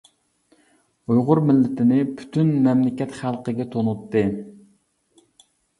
ئۇيغۇر مىللىتىنى پۈتۈن مەملىكەت خەلقىگە تونۇتتى.